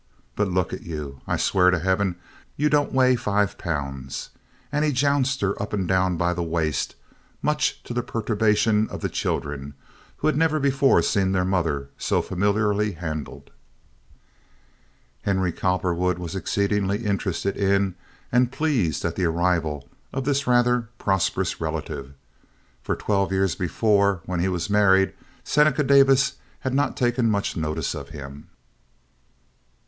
But look at you! I swear to Heaven you don't weigh five pounds." And he jounced her up and down by the waist, much to the perturbation of the children, who had never before seen their mother so familiarly handled. Henry Cowperwood was exceedingly interested in and pleased at the arrival of this rather prosperous relative; for twelve years before, when he was married, Seneca Davis had not taken much notice of him.